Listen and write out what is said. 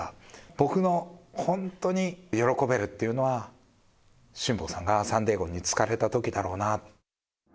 僕の本当に喜べるっていうのは、辛坊さんがサンディエゴに着かれたときだろうな。